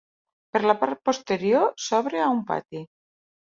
Per la part posterior s'obre a un pati.